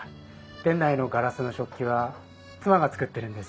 店内のガラスの食器は妻が作ってるんです。